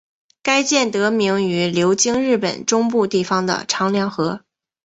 该舰得名于流经日本中部地方的长良河。